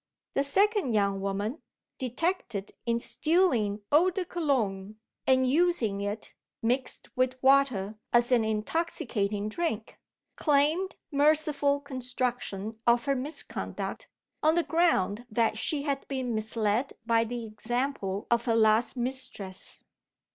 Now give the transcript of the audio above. The second young woman, detected in stealing eau de cologne, and using it (mixed with water) as an intoxicating drink, claimed merciful construction of her misconduct, on the ground that she had been misled by the example of her last mistress.